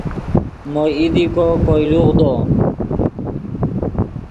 مو ایدیکو کوئے لوغدو